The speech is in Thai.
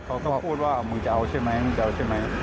เค้าก็พูดว่ามึงจะเอาใช่ไหม